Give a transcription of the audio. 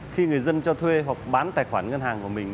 khi người dân cho thuê hoặc bán tài khoản ngân hàng của mình